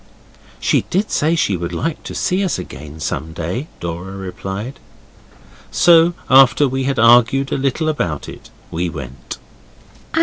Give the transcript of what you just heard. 'She did say she would like to see us again some day,' Dora replied. So after we had argued a little about it we went.